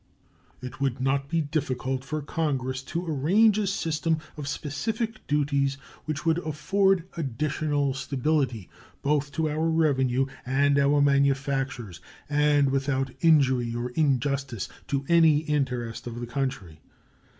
It would not be difficult for Congress to arrange a system of specific duties which would afford additional stability both to our revenue and our manufactures and without injury or injustice to any interest of the country.